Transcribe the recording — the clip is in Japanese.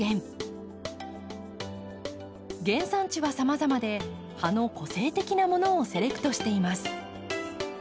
原産地はさまざまで葉の個性的なものをセレクトしています。